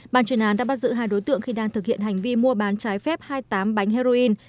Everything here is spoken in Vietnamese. ban chuyên án đã bắt giữ hai đối tượng khi đang thực hiện hành vi mua bán trái phép hai mươi tám bánh heroin